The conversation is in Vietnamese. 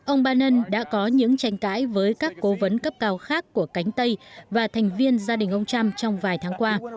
ông biden đã có những tranh cãi với các cố vấn cấp cao khác của cánh tay và thành viên gia đình ông trump trong vài tháng qua